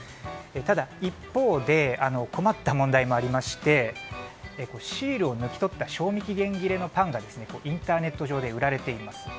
ただ、一方で困った問題もありましてシールを抜き取った賞味期限切れのパンがインターネット上で売られています。